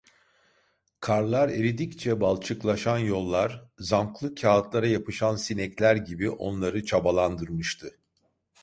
Karlar eridikçe balçıklaşan yollar, zamklı kağıtlara yapışan sinekler gibi onları çabalandırmıştı…